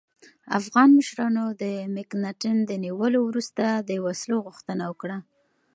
افغان مشرانو د مکناتن د نیولو وروسته د وسلو غوښتنه وکړه.